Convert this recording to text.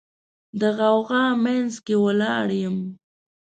د غوغا منځ کې ولاړ یم